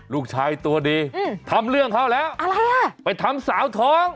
ลูกชายตัวดีอืมทำเรื่องเขาแล้วอะไรอ่ะไปทำสาวท้อง